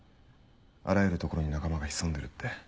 「あらゆるところに仲間が潜んでる」って。